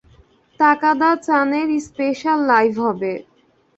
তাকাদা-চানের special live হবে!